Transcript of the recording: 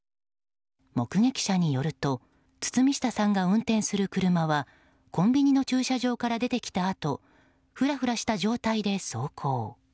目撃者によると堤下さんが運転する車はコンビニの駐車場から出てきたあとふらふらした状態で走行。